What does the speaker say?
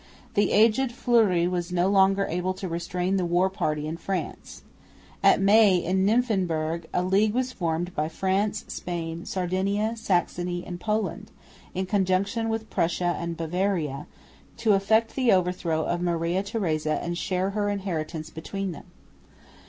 The aged Fleury was no longer able to restrain the war party in France. In May at Nymphenburg a league was formed by France, Spain, Sardinia, Saxony and Poland, in conjunction with Prussia and Bavaria, to effect the overthrow of Maria Theresa and share her inheritance between them.